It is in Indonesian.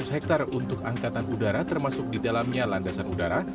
dua tujuh ratus hektare untuk angkatan udara termasuk di dalamnya landasan udara